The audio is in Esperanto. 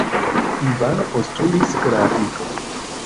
Ivano postulis klarigon.